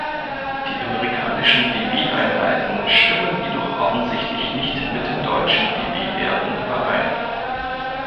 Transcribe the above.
Die amerikanischen dB-Einheiten stimmen jedoch offensichtlich nicht mit den deutschen dB-Werten überein.